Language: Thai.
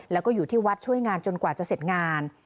แล้วก็อยู่ที่วัดช่วยงานจนกว่าจะเสร็จงาน